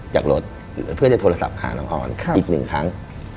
จากรถเพื่อจะโทรศัพท์หาน้องออนอีกหนึ่งครั้ง